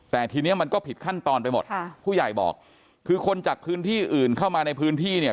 แต่ทีนี้มันก็ผิดขั้นตอนไปหมดค่ะผู้ใหญ่บอกคือคนจากพื้นที่อื่นเข้ามาในพื้นที่เนี่ย